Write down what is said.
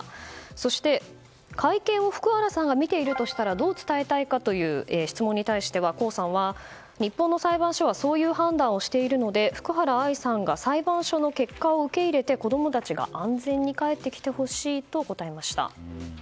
そして、会見を福原さんが見ているとしたらどう伝えたいかという質問に対しては、江さんは日本の裁判所はそういう判断をしているので福原愛さんが裁判所の結果を受け入れて子供たちが安全に帰ってきてほしいと答えました。